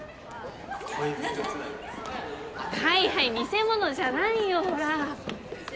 はいはい見せ物じゃないよほら。